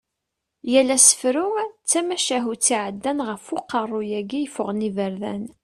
Yal asefru d tamacahutt iɛeddan ɣef uqerru-yagi yeffɣen iberdan.